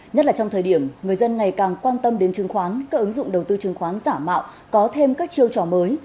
nhất là trong thời điểm người dân ngày càng quan tâm đến chứng khoán các ứng dụng đầu tư chứng khoán giả mạo có thêm các chiêu trò mới